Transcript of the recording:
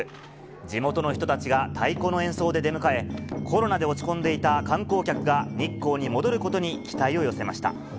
地元の人たちが太鼓の演奏で出迎え、コロナで落ち込んでいた観光客が、日光に戻ることに期待を寄せました。